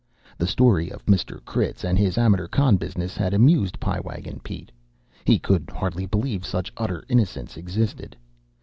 The story of Mr. Critz and his amateur con' business had amused Pie Wagon Pete. He could hardly believe such utter innocence existed.